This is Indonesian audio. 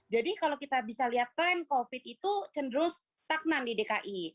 jadi kalau kita bisa lihat tren covid itu cenderung stagnan di dki